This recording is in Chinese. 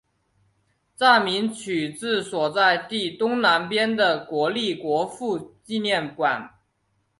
站名取自所在地东南边的国立国父纪念馆。